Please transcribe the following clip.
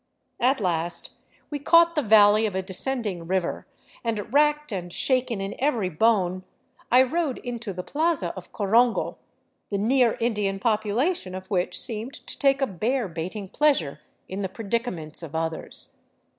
At last we caught the valley of a descending river, and racked and shaken in every bone, I rode into the plaza of Corongo, the near Indian population of which seemed to take a bear baiting pleasure in the predicaments of others.